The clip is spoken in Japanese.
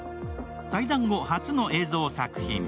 退団後初の映像作品。